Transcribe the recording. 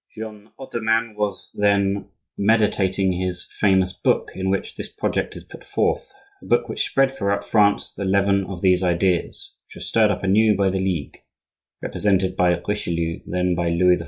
Jean Hotoman was then meditating his famous book, in which this project is put forth,—a book which spread throughout France the leaven of these ideas, which were stirred up anew by the Ligue, repressed by Richelieu, then by Louis XIV.